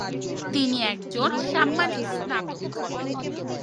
তিনি একজন সাম্মানিক স্নাতক।